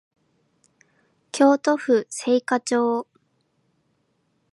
京都府精華町